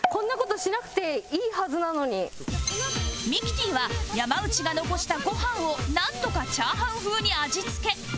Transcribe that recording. ミキティは山内が残したご飯をなんとか炒飯風に味付け